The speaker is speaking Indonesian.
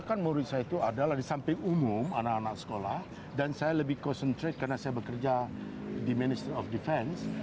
karena murid saya itu adalah di samping umum anak anak sekolah dan saya lebih concentrate karena saya bekerja di minister of defense